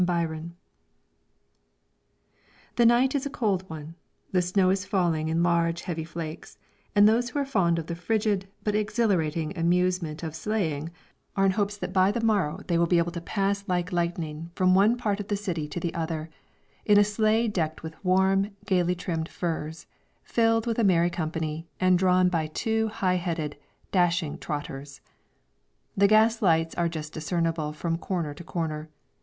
BYRON. The night is a cold one; the snow is falling in large, heavy flakes, and those who are fond of the frigid, but exhilarating amusement of sleighing, are in hopes that by the morrow they will be able to pass like lightning from one part of the city to the other; in a sleigh decked with warm, gaily trimmed furs; filled with a merry company, and drawn by two high headed, dashing trotters. The gas lights are just discernible from corner to corner.